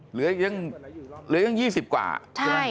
เหลือยัง๒๐กว่า